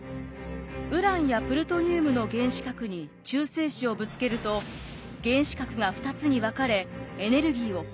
ウランやプルトニウムの原子核に中性子をぶつけると原子核が２つに分かれエネルギーを放出。